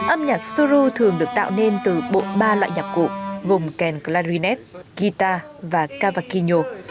âm nhạc sô lô thường được tạo nên từ bộ ba loại nhạc cụ gồm kèn clarinets guitar và kavakino